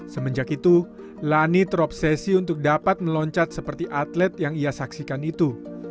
semenjak itu lani terobsesi untuk dapat meloncat seperti atlet yang ia saksikan itu